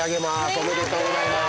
おめでとうございます。